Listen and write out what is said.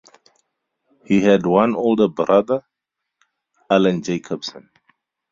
He had one older brother, Allen Jacobson.